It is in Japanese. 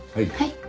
はい。